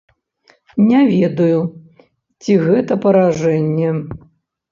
Не ведаю, ці гэта паражэнне.